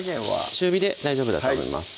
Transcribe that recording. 中火で大丈夫だと思います